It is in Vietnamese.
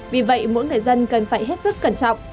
vì vậy mỗi người dân cần phải hết sức cẩn trọng